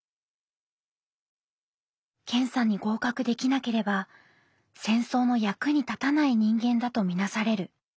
検査に合格できなければ戦争の役に立たない人間だと見なされる。